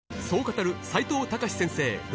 そう語る齋藤孝先生